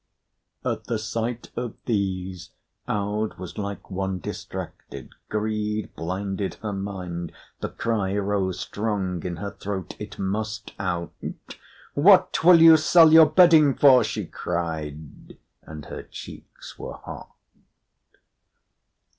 At the sight of these Aud was like one distracted, greed blinded her mind; the cry rose strong in her throat, it must out. "What will you sell your bedding for?" she cried, and her cheeks were hot.